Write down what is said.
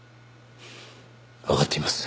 わかっています。